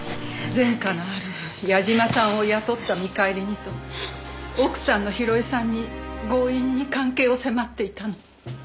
前科のある矢嶋さんを雇った見返りにと奥さんの広江さんに強引に関係を迫っていたの。